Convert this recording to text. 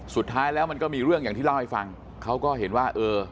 สุดท้ายแล้วมันก็มีเรื่องอย่างที่เล่าให้ฟังเขาก็เห็นว่าเออ